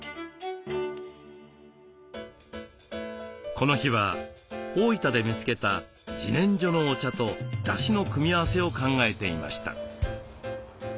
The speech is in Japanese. この日は大分で見つけたじねんじょのお茶とだしの組み合わせを考えていました。